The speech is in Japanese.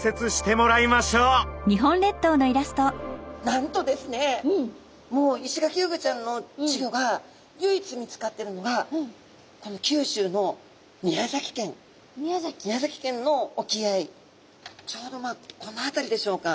なんとですねもうイシガキフグちゃんの稚魚が唯一見つかってるのが九州の宮崎県宮崎県の沖合ちょうどまあこの辺りでしょうか。